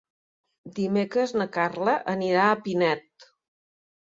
Dimecres na Carla anirà a Pinet.